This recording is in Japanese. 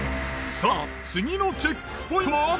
さぁ次のチェックポイントは？